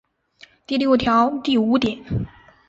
第六条第五点